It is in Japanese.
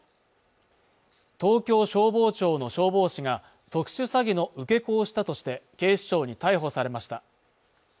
東京消防庁の消防士が特殊詐欺の受け子をしたとして警視庁に逮捕されました